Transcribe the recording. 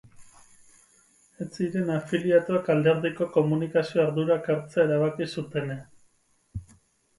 Ez ziren afiliatuak alderdiko komunikazio ardurak hartzea erabaki zutenean.